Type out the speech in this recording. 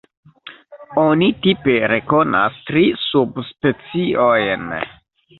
Oni tipe rekonas tri subspeciojn.